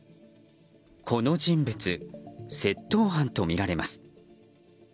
この人物、窃盗犯とみられます。